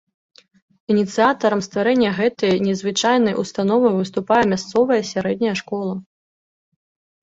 Ініцыятарам стварэння гэтай незвычайнай установы выступае мясцовая сярэдняя школа.